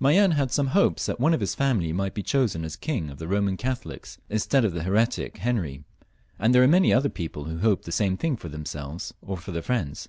Mayenne had some hopes that one of his family might be chosen as king by the Eoman Catholics, instead of the heretic Henry, and there were many other people who hoped the same thing for themselves or their friends.